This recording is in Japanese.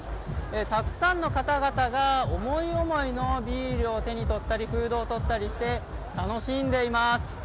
たくさんの方々が、思い思いのビールを手に取ったりフードを取ったりして、楽しんでいます。